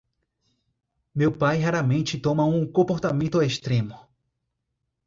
Meu pai raramente toma um comportamento extremo.